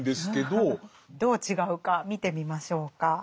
どう違うか見てみましょうか。